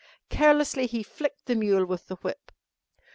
Carelessly he flicked the mule with the whip.